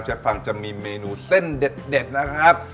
ฟังจะมีเมนูเส้นเด็ดนะครับ